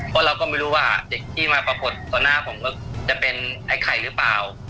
เพราะเราก็ไม่รู้ว่าเด็กที่มาปรากฏต่อหน้าผมก็จะเป็นไอ้ไข่หรือเปล่า